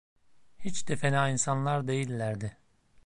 Hiç de fena insanlar değillerdi.